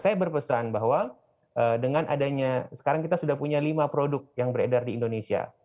saya berpesan bahwa dengan adanya sekarang kita sudah punya lima produk yang beredar di indonesia